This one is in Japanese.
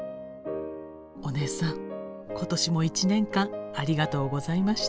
お姉さん今年も１年間ありがとうございました。